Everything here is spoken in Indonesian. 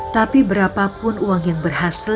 tapi berapapun uang yang berhasil